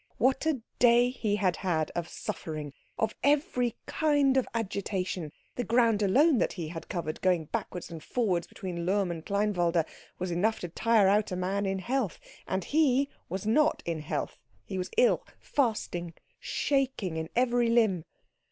What a day he had had of suffering, of every kind of agitation! The ground alone that he had covered, going backwards and forwards between Lohm and Kleinwalde, was enough to tire out a man in health; and he was not in health, he was ill, fasting, shaking in every limb.